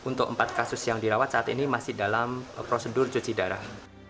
untuk empat kasus yang dirawat saat ini masih dalam prosedur cuci darah